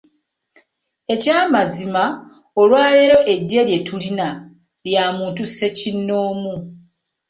Eky'amazima olwaleero eggye lye tulina lya muntu ssekinnoomu.